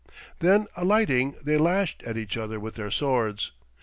Then, alighting, they lashed at each other with their swords.